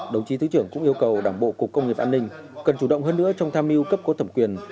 đồng chí thứ trưởng cũng yêu cầu đảng bộ cục công nghiệp an ninh cần chủ động hơn nữa trong tham mưu cấp có thẩm quyền